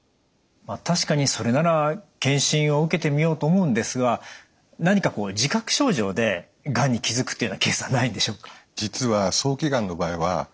確かにそれなら検診を受けてみようと思うんですが何かこう自覚症状でがんに気づくというようなケースはないんでしょうか？